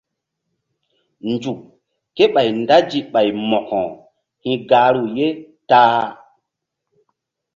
Nzuk ké ɓay ndazi ɓay Mo̧ko hi̧ gahru ye ta-a.